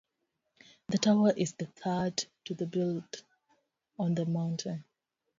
The tower is the third to be built on the mountain.